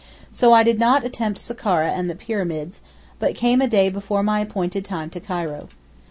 So I did not attempt Sakhara and the Pyramids, but came a day before my appointed time to Cairo.